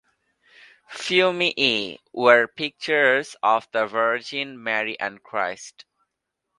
"Fumi-e" were pictures of the Virgin Mary and Christ.